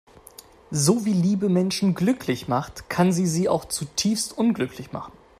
So wie Liebe Menschen glücklich macht, kann sie sie auch zutiefst unglücklich machen.